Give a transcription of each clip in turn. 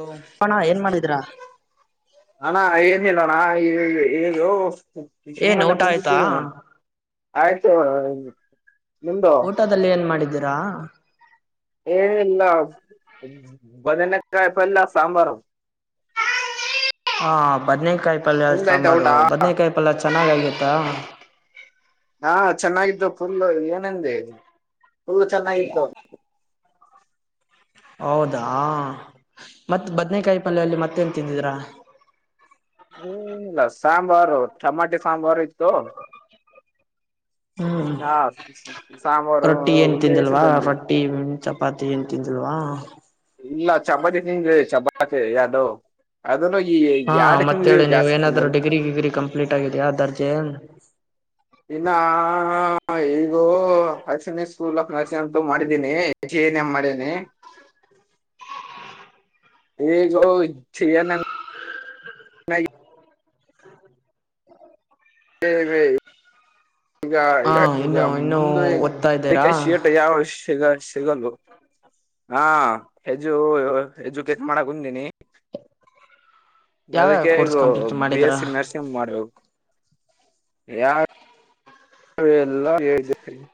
ಅಪ್ಪಣ ಏನ್ ಮಾಡಿದ್ರಾ ಅಣ ಏನಲ್ಲಣ ಏ ಇದು... ಏನ್ ಸುಮ್ಮನೆಯ ಊಟ ಆಯ್ತಾ ಕುತಿದ್ದೇನೆ ನಾನು ಆಯ್ತು. ನಿಮ್ದು ಊಟದಲ್ಲಿ ಏನ್ ಮಾಡಿದ್ದೀರಾ? ಏನಲ್ಲ ಬದನಕ್ಕಾಯಪಲ್ಲ ಸಾಂಬಾರು. ಹ ಹಾ ಬದ್ನೇಕಾಯಿ ಪಲ್ಯ ನಿಮ್ದ ಆಯ್ತಾ ಸಾಂಬಾರು ಊಟ ಬದ್ನೇಕಾಯಿ ಪಲ್ಯ ಚೆನ್ನಾಗತ್ತ. ಹಾ ಚೆನ್ನಾಗಿದ್ದತ್ತು ಫುಲ್ಲ ಏನಂದ ಫುಲ್ಲ ಚೆನ್ನಾಗಿತ್ತು. ಹೌದಾ ಮತ್ತತ್ ಬದ್ನೇಕಾಯಿ ಪಲ್ಯ ಅಲ್ಲಿ ಮತ್ತೆನ್ ತಿಂದಿದಿ್ರ. [inaudible] ಇಲ್ಲ ಸಾಂಬಾರು ಟಮಾಟೆ ಸಾಂಬಾರು ಇತ್ತು. ಹ್ಮ್ ಹಾ ಸಾಂಬಾರು ರೊಟ್ಟಿ ಏನ್ ಉಂಡೆ ಬೇಯಿಸಿ ತಿಂದಿಲ್ವಾ ಬಂದ್ವಿ ರೊಟ್ಟಿ ಮ ಚಪಾತಿ ಏನ್ ತಿಂದಿಲ್ವಾ. ಇಲ್ಲ ಚಪಾತಿ ನಿಂಗಗೆ ಚಪಾತಿ ಯಾರಡುೋ ಅ. ಹಾ ಮತ್ತೇಳಿ ನೀವ್ ಏನಾದ್ರು ಡಿಗ್ರಿ ಗಿಗ್ರಿ ಕಂಪ್ಲೀಟ್ ಆಗಿದ್ಯಾ ದರ್ಜೆ. ನಾ ಈಗೋ ಅಸನ ಸ್ಕೂಲ್ ಆನಸ ಅಂತೂ ಮಾಡಿದೀನಿ ಜನ್ ಮಾಡಿದನಿ. ಈಗೌ ಚ ಎನ. ಹೇ ವೇ ಈಗ ಹಾ ಈಗ ಇನ್ನು ಇನ್ನುೂ ಮುಂದೆ ಓದ್ತಾ ಇದ್ದೀರಾ ಶೀಟ ಯಾವಷ ದ ಸಿಗಲ್ದು. ಹಾ ಹೆಜು ಹೆಜುಕೆಟ್ ಮಾಡಕ್ ಕುಂದೀಿನಿ. ಯಾವ್ಯಾವ ಅದಕ್ಕೆೇಗ ಕೋರ್ಸ್ ಕಂಪ್ಲೀಟ್ ಬಿ ಮಾಡಿದರಾ ಎಸ್ಸ ನರ್ಸಿಂಗ್ ಮಾಡಬೇಕ ಯ.. ಲ್ಲ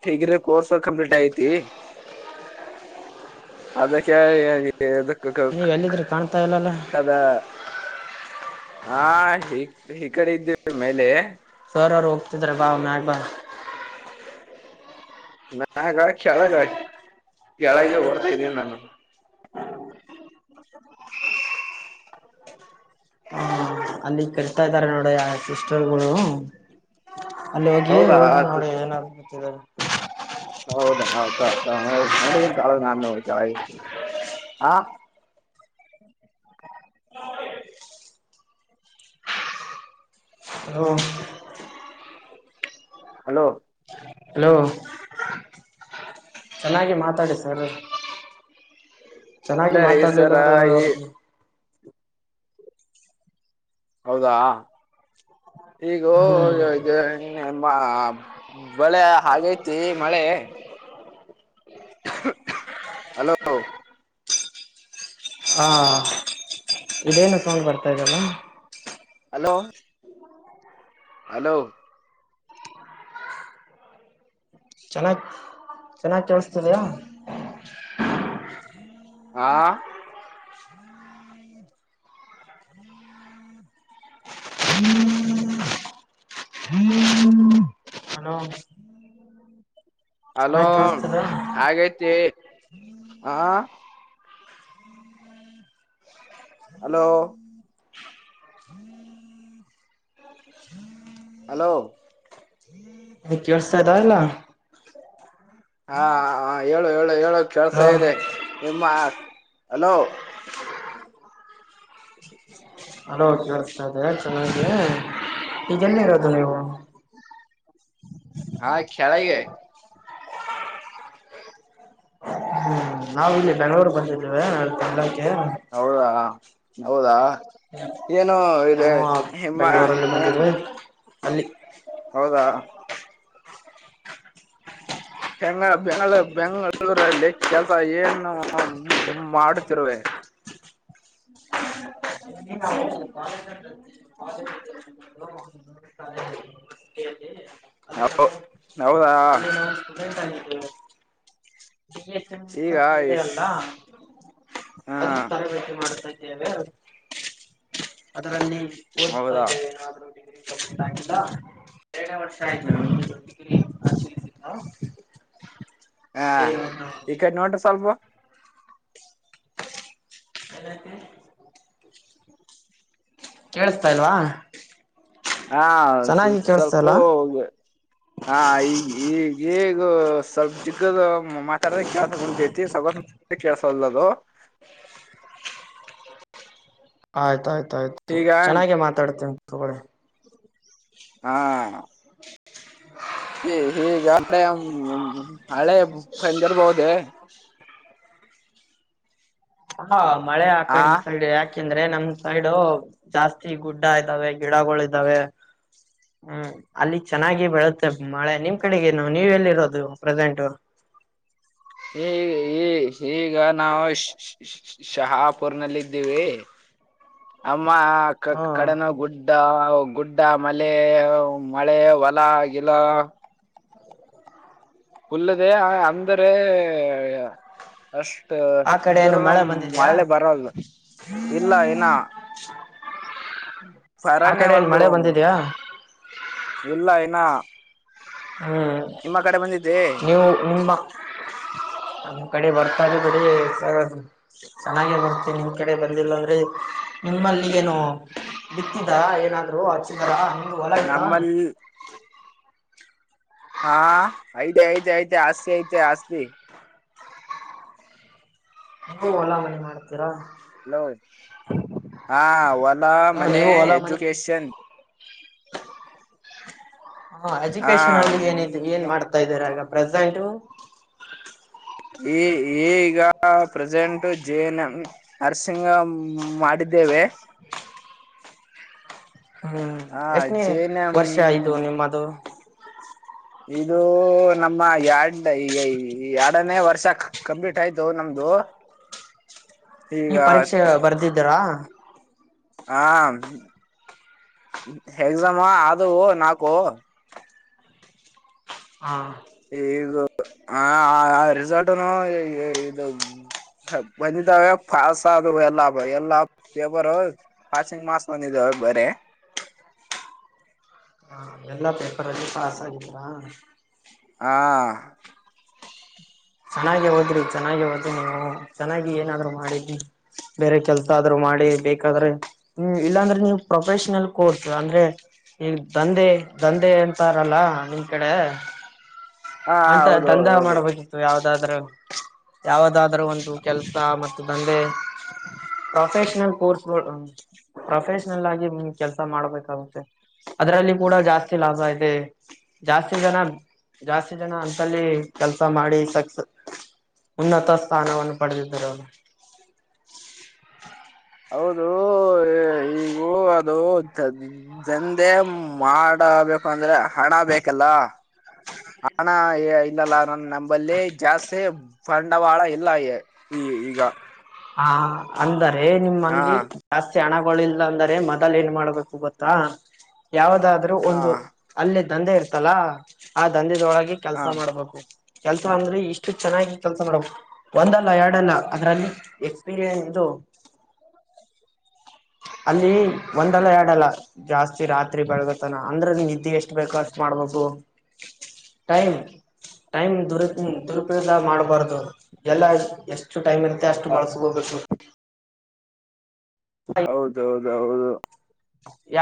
ಡಿಗ್ರಿ ಕೋರ್ಸ್ ಕಂಪ್ಲೀಟ್ ಐತಿ. ಅದಕ್ಕೆ ಹೇಳ್ಬೇಕು ನೀವ್ ಎಲ್ಲಿದ್ರಿ ಕಾಣ್ತಾ ಇಲ್ಲಲ್ಲ ಕದಾ. ಹಾ ಹ ಈ ಕಡೆ ಇದ್ದೇವಿ ಮೇಲೆ ಜರರು ಹೋಗ್ತಿದ್ರ ಬಾ ಮ್ಯಾಗ ಬಾ ಮ್ಯಾಗ ಕೆಳಗ ಆಯ್ತು ಕೆಳಗೆ ಬರ್ತಾ ಇದ್ದೀನಿ ನಾನು ಅಲ್ಲಿಗ್ [unintelligible] [unintelligible] ಇದ್ದಾರೆ ನೋಡ ಸಿಸ್ಟರ್ಗಳು. ಅಲ್ಲಿ ಹೋಗಿ ಹೌದಾ ಹೋಗಿ ಆತು ನೋಡಿ ಏನನ್ ಗ ಹೌದಾ ಹೌದೌ ಹೌದು ಮಗಂತ ನಾನುತಿ ಹ. ಹ. [unintelligible] ಹಲೋ. ಹಲೋ. ಚೆನ್ನಾಗಿ ಮಾತಾಡಿ ಸರ್. ಇಲ್ಲ ಚೆನ್ನಾಗಿ ರೀ ಮಾತಾಡ್ಲಿಲ್ ಸರ ಈ [unintelligible] ಹೌದಾ ಈಗಮ್ಮ. [unintelligible] ಬಳೆ ಹಾಗೈತಿ ಮಳೆ. ಹಲೋ. ಹಾ ಇದೇನು ಸೌಂಡ್ ಬರ್ತಾ ಇದ್ದಲ್ಲ. ಹಲೋ. ಹಲೋ. ಚೆನ್ನಾಗಿ ಚೆನ್ನಾಗ ಕೇಳಸ್ತಿದಯ. ಹಾ. ಹಲೋ. ಅಲೋ ಚೆನ್ನಾಗ್ ಕೇಳಸ್ತಿದ ಹಾಗೈತಿ ಹ. ಹಲೋ. ಹಲೋ. ಕೇಳ್ಸ್ತಾತ ಇಲ್ಲ ಹಾ ಹೇಳು ಹೇಳು ಹೇಳು ಕೆಳ್ಸ ಹಲೋ ಇದೆ ನಿಮ್ಮ ಅಲೋ. [unintelligible] ಅಲೋ ಕೇಳ್ಸ್ತೀದೆ ಚೆನ್ನಾಗಿದೆ ಈಗಲ್ಲಿ ಇರೋದು ನೀವು. ಹಾ ಕೆಳಗೆ. ನಾವವು ಇಲ್ಲಿ ಬೆಂಗಳೂರ್ ಬಂದಿದ್ದೇವೆ ನಾ ತಂಡಕ್ಕೆ ಹೌದಾ ಹೌದಾ ಏನು ಇದ ಹ್ಮ ಬೆಂಗಳೂರಲ್ಲಿ ಬಂದಿದ್ವಿ [unintelligible] ಅಲ್ಲಿ ಹೌದಾ ಹೆಂಗ ಬೆಂ ಬೆಂಗಳೂರಲ್ಲಿ ಕೆಲಸ ಏನು ಮಾಡತಿರುವೆ ಅಲ್ಲಿ ನಾವು ನಾವು ನಾವ ಅಲ್ಲಿ ನಾವು ಸ್ಟೂಡೆಂಟ್ ಆಗಿದ್ದೇವೆ ಡಿ ಎಚ್ ಎಂ ಎಸ್ ಈಗ ಅಂತ ಇದೆ ಆಯುಷ್ ಅಲ್ಲ ಹಾ ಅದು ತರಬೇತಿ ಮಾಡ್ತಾ ಇದ್ದೇವೆ ಅದರಲ್ಲಿ ಓದ್ತಾ ಹೌದಾ ಇದ್ದೇವೆ ಏನಾದ್ರೂ ಡಿಗ್ರಿ ಕಂಪ್ಲೀಟ್ ಆಗಿಲ್ಲ ಎರಡನೇ ವರ್ಷ ಆಯ್ತು ಹ್ಮ್ ನಮ್ದು ಡಿಗ್ರಿ ಹಾ ಈ ಕಡೆ ನೋಡ್ರಿ ಸ್ವಲ್ಪ ಕೇಸ್ತಾಲ್ವಾ ಹಾ ಸ್ವಲ್ಪ ಇಲ್ವಾ [unintelligible] ಹಾ ಈಗ ಈಗ ಈಗ ಸವ ಜಿಗದ ಮಾತಾಡ್ರ ಕೇಳಗಂತೇತಿಗ [unintelligible] [inaudible] [unintelligible] ಆಯ್ತಾ ಆಯ್ತಾ ಆಯ್ತು ಈಗ ಚೆನ್ನಾಗೆ ಮಾತಾಡ್ತನ ತಗೋಳಿ ಹಾ [inaudible] ಈ ಈಗ ಹಳೆಲ್ದಿರ್ಬಹದೆ [unintelligible] ಹಾ ಮಳೆ ಆ ಕಡೆ ಈ ಸೈಡ್ ಯಾಕೆಂದ್ರೆ ನಮ ಸೈಡು ಜಾಸ್ತಿ ಗುಡ್ಡ ಇದ್ದಾವೆ ಗಿಡಗಳು ಇದ್ದಾವೆ ಹ್ಮ್ ಅಲ್ಲಿ ಚೆನ್ನಾಗಿ ಬೆಳುತ್ತೆ ಮಳೆ ನಿಮ್ ಕಡೆಗೇನು ನೀವ್ ಎಲ್ಲಿರೋದು ಪ್ರೆಸೆಂಟ್ [inaudible] ಈ ಈ ಈಗ ನಾವು ಶಹಾಪುರ್ ನಲ್ಲ ಇದ್ದೀವಿ [inaudible] ಮ್ಮ ಹಾ ಕಡೆನ ಗುಡ್ಡ ಗುಡ್ಡ ಮಳೆ ಮಳೆ ಹೊಲ ಗಿಲ್ಲ ಫುಲ್ಲದೆ ಅಂದರೆ ಅ ಆ ಕಡೆ ಏನು ಇದರು ನ ಮಳೆ ಬಂದಿದ್ಯಾ ಮೆ ಬರಲ್ ಇಲ್ಲ ಏನ [inaudible] ಆ ಕಡೆ ಏನ್ ಮಳೆ ಸರನ್ಯಒಲ್ದಾಮ ಬಂದಿದ್ಯಾ ಇಲ್ಲ ಏನ್ನ ಹ್ಞ ನೀವು ನಿಮ್ಮ ನಮ್ಮ ಕಡೆ ಬರ್ತಾ ಇ ಕಡೆ ಚೆನ್ನಾಗೆ ಬರ್ತ ನಿಮ್ಮ ಕಡೆ ಬಂದಿಲ್ಲ ಅಂದ್ರೆ ನಿಮ್ಮಲ್ಲಿ ಏನು ಬಿತ್ತಿದ್ದ ಏನಾದ್ರು ಹಚಿದಾರ ಹಂಗ ಹೊಲ ಇತ ನಮ್ಮಲ್ಲಿ ಹಾ ಐತೆ ಐತೆ ಹೈ ಆಸ್ತಿ ಆಯ್ತಾ ಆಸ್ತಿ ಹೂ ಹೊಲಾ ಮನೆ ಮಾಡ್ತೀರಾ ಹಲೋ ಹಾ ವಲಾ ಹ ಮನೆ ನೀವು ಹೊಲಾ ಮನಿ ಎಜುಕೇಶನ್ ಹ ಹಾ ಎಜುಕೇಶನ್ ಅಲ್ಲಿ ಏನ ಏನ್ ಹ್ಮ್. ಮಾಡ್ತಾ ಇದಾರೆ ಆಗ ಪ್ರಸಯಿತು ಈ ಈಗ ಪ್ರೆಸೆಂಟ್ ಜೇನ್ ನರ್ಸಿಂಗ್ ಮಾಡಿದ್ದ ಇದ್ದೇವೆ ಹ್ಮ್ ಆ ಎಷ್ಟನ ಜೆ ಎನ್ ಎಂ ವರ್ಷ ಈದು ನಿಮ್ಮದು ಇದು ನಮ್ಮ ಎರಡ್ ಈ ಎರಡನೇ ವರ್ಷ ಕಂಪ್ಲೀಟ್ ಆಯ್ತು ನಮ್ದು [unintelligible] [inaudible] ನೀ ಈಗ ಪರೀಕ್ಷೆ ಬರ್ದಿದ್ದೀರಾ ಹಾ ಎಕ್ಸಾಮಾ ಅದು ನಾಕು ಹಾ ಈಗ ಆ ಆ ರೆಸಾರ್ಟನು ಇದು ಬಂದಿದ್ದಾವ ಫಾಸ್ ಅದು ಎಲ್ಲ ಎಲ್ಲ ಪೇಪರ್ ಫಾಸಿಂಗ್ ಮಾಸ್ ಬಂದಿದಾವ ಹ ಬರ ಹ ಎಲ್ಲ ಪೇಪರ ಅಲ್ಲಿ ಪಾಸ್ ಆಗಿದ್ರಾ ಹಾ ಚೆನ್ನಾಗ ಹೋದ್ರಿ ಚೆನ್ನಾಗಿ ಹೋದಿ ನೀವು ಚೆನ್ನಾಗಿ ಏನಾದ್ರು ಮಾಡಿದಿ ಬೇರೆ ಕೆಲ್ಸ ಆದ್ರು ಮಾಡಿ ಬೇಕಾದ್ರೆ ಇಲ್ಲಾಂದ್ರೆ ನೀವು ಪ್ರೊಫೆಷನಲ್ ಕೋರ್ಸ್ ಅಂದ್ರೆ ನೀನ್ ದಂಧೆ ದಂಧೆ ಅಂತಾರಲ್ಲ ನಿನ್ ಕಡೆ ಹಾ ಅಂತ ಹೌದು ದಂಧ ಹೌದು ಮಾಡ್ಬೇಕಿತ್ತು ಯಾವ್ದ ದ ಯಾವದಾದ್ರೂ ಒಂದು ಕೆಲಸ ಮತ್ತು ದಂಧೆ ಪ್ರೊಫೆಷನಲ್ ಕೋರ್ಸ್ಗಳು ಪ್ರೊಫೆಷನಲ್ ಆಗಿ ಕೆಲ್ಸ ಮಾಡ್ಬೇಕಾಗುತ್ತೆ ಅದರಲ್ಲಿ ಕೂಡ ಜಾಸ್ತಿ ಲಾಭ ಇದೆ ಜಾಸ್ತಿ ಜನ ಜಾಸ್ತಿ ಜನ ಅಂತಲ್ಲಿ ಕೆಲ್ಸ ಮಾಡಿ ಸಕ್ಸ ಉನ್ನತ ಸ್ಥಾನವನ್ನು ಪಡೆದಿದ್ದರರು ಹೌದು ಈಗೂ ಅದು ದಂದೆ ಮಾಡಬೇಕು ಅಂದ್ರೆ ಹಣ ಬೇಕಲ್ಲ ಹಣ ಇಲ್ಲಲ್ಲ ನ ನಂಬಲ್ಲಿ ಜಾಸ್ತಿ ಸಂಡವಾಳ ಎಲ್ಲ ಈ ಈಗ ಹಾ ಅಂದರೆ ಹಾ ನಿಮ್ಮಲ್ಲಿ ಜಾಸ್ತಿ ಹಣಗಳಿಲ್ಲ ಅಂದರೆ ಮೊದಲ್ ಏನ್ ಮಾಡ್ಬೇಕು ಗೊತ್ತಾ ಯಾವದಾದ್ರೂ ಹಾ ಒಂದು ಅಲ್ಲಿ ದಂಧೆ ಇರ್ತಲ್ಲ ಆ ದಂಧದೊಳಗೆ ಕೆಲ್ಸ ಹಾ ಮಾಡ್ಬೇಕು ಕೆಲ್ಸ ಅಂದ್ರೆ ಇಷ್ಟು ಚೆನ್ನಾಗಿ ಕೆಲ್ಸ ಮಾಡುವ ಒಂದಲ್ಲ ಎರಡ ಅಲ್ಲ ಅದ್ರಲ್ಲಿ ಎಕ್ಸ್ಪೀರಿಯನ್ಸ್ ಇದು ಅಲ್ಲಿ ಒಂದಲ್ಲ ಎರಡಲ್ಲ ಜಾಸ್ತಿ ರಾತ್ರಿ ಬೆಳಗತನ ಅಂದ್ರೆ ನೀ ನಿದ್ದಿ ಎಷ್ಟ್ ಬೇಕೊ ಅಷ್ಟ್ ಮಾಡ್ಬೇಕು ಟೈಮ್ ಟೈಮ್ ದುರುಪನ್ ದುರುಪಯೋಗ ಮಾಡ್ಬಾರ್ದು ಎಲ್ಲ ಎಷ್ಟ್ ಟು ಟೈಮ್ ಇರುತ್ತೆ ಅಷ್ಟು ಬಳಸ್ಕೋಬೇಕು. ಹೌದೌದೌದು.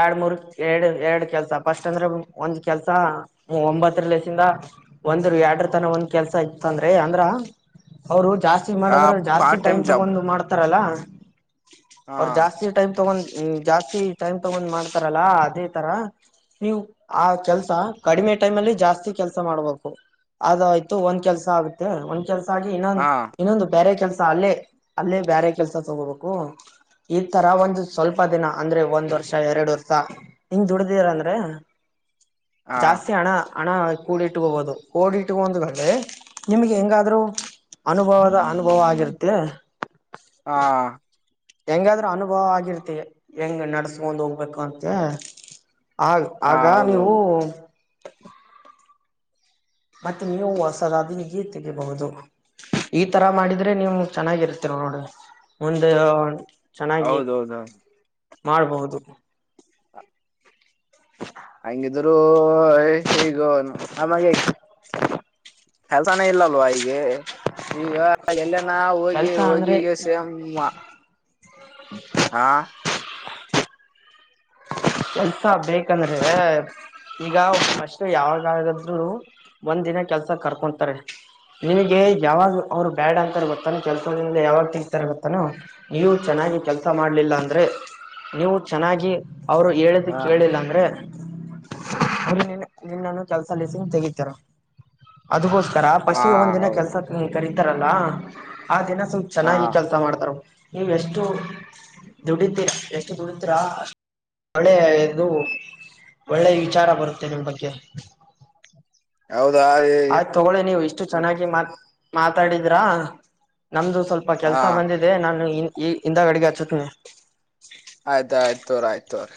ಎರ್ಡ್ ಮೂರ್ ಎರ್ಡ್ ಎರ್ಡ್ ಕೆಲ್ಸ ಫಸ್ಟ್ ಅಂದ್ರೆ ಒಂದ್ ಕೆಲ್ಸ ಒಂಬತ್ತರ್ ಲೇಸಿಂದ ಅ ಒಂದರು ಎರ್ಡ್ರು ತನ ಒಂದ್ ಕೆಲಸ ಇತ್ತಂದ್ರೆ ಅಂದ್ರ ಅವ್ರು ಜಾಸ್ತಿ ಆ ಮಾಡದ್ರ ಜಾಸ್ತಿ ಪಾರ್ಟ್ ಟೈಮ್ ಜಾಬ್ ತಗೊಂಡು ಮಾಡ್ತಾರಲ್ಲಾ ಹಾ ಅವ್ರ್ ಜಾಸ್ತಿ ಟೈಮ್ ತಗೊಂಡ್ ಜಾಸ್ತಿ ಟೈಮ್ ತಗೊಂಡ್ ಮಾಡ್ತಾರಲ್ಲಾ ಅದೇ ತರ ನೀವ್ ಆ ಕೆಲ್ಸ ಕಡಿಮೆ ಟೈಮ್ ಅಲ್ಲಿ ಜಾಸ್ತಿ ಕೆಲ್ಸ ಮಾಡ್ಬೇಕು. ಅದು ಆಯ್ತು ಒಂದ್ ಕೆಲಸ ಆಗುತ್ತೆ ಒಂದ್ ಕೆಲ್ ಸ ಆಗಿ ಹಾ ಇನ್ನೊಂದ್ ಇನ್ನೊಂದು ಬೇರೆ ಕೆಲ್ಸ್ ಸ ಅಲ್ಲೇ ಅಲ್ಲೇ ಬೇರೆ ಕೆಲಸ ತಗೋಬೇಕು ಈ ತರ ಒಂದು ಸ್ವಲ್ಪ ದಿನ ಅಂದ್ರೆ ಒಂದ್ ದ್ ವರ್ಷ ಎರ್ಡ್ ವರ್ಷ ಹಿಂಗ್ ದುಡ್ದೀರ್ ಅಂದ್ರೆ ಹಾ ಜಾಸ್ತಿ ಹಣ ಹಣ ಕೂಡಿಟ್ಕೋಬೋದು ಕೂಡಿಟ್ಕೊಂಡ್ಮೇಲೆ ನಿಮ್ಗ್ ಹೆಂಗಾದ್ರು ಅನುಭವದ ಅನುಭವ ಆಗಿರುತ್ತೆ ಆ ಹೆಂಗಾದ್ರು ಅನುಭವ ಆಗಿರುತ್ತೆ ಹೆಂಗ್ ನಡ್ಸ್ಕೊಂಡ್ ಹೋಗ್ಬೇಕು ಅಂತ್ಯ ಆಗ್ ಹಾ ಆಗ ಹೌದು ನೀವು ಹೌದು ಮತ್ತೆ ನೀವು ಹೊಸದಾ ನೀರ್ ತೆಗಿಬಹುದು. ಈ ತರ ಮಾಡಿದ್ರೆ ನೀವು ಚೆನ್ನಾಗಿರ್ತೀರ ನೋಡ್ರಿ ಮುಂದೆ ಒನ್ ಹೌದೌದ. ಮಾಡ್ಬಹುದು. ಅಂಗಿದ್ರೂ ಏ ಈಗು ಆಮಾಗ್ಯಾಕೆ ಕೆಲ್ಸಾನೇ ಇಲ್ಲಲ್ವಾ ಈಗೆ ಈಗ ಎಲ್ಲ ನಾ ಹೋಗಿ ಕೆಲ್ಸ ಅಂದ್ರೆ ಹೋಗಿಗೆ ಸೇಮ್ ಮ ಆ [inaudible] ಕೆಲ್ಸ ಬೇಕಂದ್ರೆ ಈಗ ಫಸ್ಟು ಯಾವ್ದಾಗದ್ರು ಒಂದ್ ದಿನ ಕೆಲ್ಸ ಕರ್ಕೊಂತಾರೆ. ನಿಮ್ಗೆ ಯಾವಾಗ್ ಅವ್ರು ಬ್ಯಾಡ ಅಂತಾರೆ ಗೊತ್ತೆನು ಕೆಲಸದಿಂದ ಯಾವಾಗ್ ತೆಗೀತಾರ್ ಗೊತ್ತೇನು ನೀವು ಚೆನ್ನಾಗ್ ನ್ನಾಗಿ ಕೆಲ್ಸ ಮಾಡ್ಲಿಲ್ಲ ಅಂದ್ರೆ ನೀವು ಚೆನ್ನಾಗಿ ಅವ್ರು ಹೇಳಿದ್ದು ಹಾ ಕೇಳಿಲ್ಲ ಅಂದ್ರೆ ಅವ್ರ್ ನಿನ್ನ ನಿನ್ನನು ಕೆಲ್ಸಲಿಸಿನ್ ತೆಗೀತಾರ ಅದುಕೋಸ್ ತರ ಹಾ ಫರ್ಸ್ಟಿಗೆ ಒಂದ್ ದಿನ ಹೌದು ಕೆಲ್ಸಕ್ ನೀ ಕರಿತಾರಲ್ಲ ಆ ದಿನ ಸ್ವಲ್ಪ್ ಹಾ ಚೆನಾಗಿ ಕೆಲ್ಸ ಮಾಡ್ತಾರವ್ ನೀವ್ ಎಷ್ಟು ದುಡಿತಿರ ಎಷ್ಟು ದುಡಿತಿರಾ ಅಷ್ಟ್ ಒಳ್ಳೆ ಇದು ಒಳ್ಳೆ ವಿಚಾರ ಬರುತ್ತೆ ನಿಮ್ ಬಗ್ಗೆ. ಹೌದಾ ಆಯ್ತ್ ತಗೋಳಿ ನೀವು ಇಷ್ಟು ಚೆನ್ನಾಗಿ ಮಾತ್ ಮಾತಾಡಿದ್ರಾ ನಮ್ದು ಸ್ವಲ್ಪ ಹಾ ಕೆಲ್ಸ ಬಂದಿದೆ ನಾನು ಇನ್ ಈ ಇಂದ ಅಡಿಗೆ ಹಚ್ಚುತೀನಿ ಆಯ್ತ್ ಆಯ್ತುರಿ ಆಯ್ತುರಿ